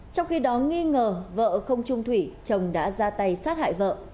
trong khi đó nghi ngờ vợ không trung thủy chồng đã ra tay sát hại vợ